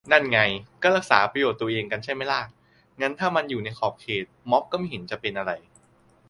นั่นไง ก็รักษาประโยชน์ตัวเองกันใช่ไหมล่ะ งั้นถ้ามันอยู่ในขอบเขต ม็อบก็ไม่เห็นจะเป็นอะไร